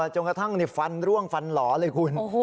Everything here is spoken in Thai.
จนกระทั่งฟันร่วงฟันหล่อเลยคุณ